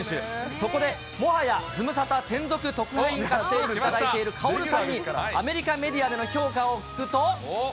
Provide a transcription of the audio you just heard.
そこでもはやズムサタ専属特派員化していただいているカオルさんに、アメリカメディアでの評価を聞くと。